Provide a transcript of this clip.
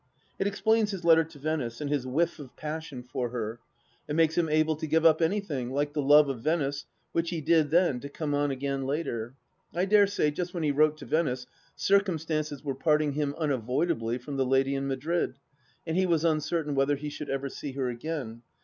It explains his letter to Venice and his whiff of paision THE LAST urnj±l 275 for her. It makes him able to give up anything— like the love of Venice — which he did then, to come on again later. I dare say, just when he wrote to Venice, circumstances were parting him unavoidably from the lady in Madrid, and he was uncertain whether he should ever see her again.